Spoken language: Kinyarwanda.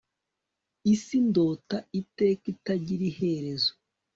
isi ndota, iteka, itagira iherezo